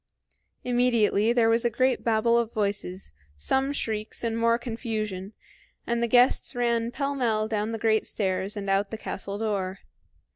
Immediately there was a great babble of voices, some shrieks, and more confusion, and the guests ran pell mell down the great stairs and out the castle door.